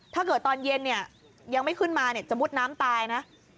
ถ้าเกิดตอนเย็นนี่ยังไม่ขึ้นมาจะมุดน้ำตายนะ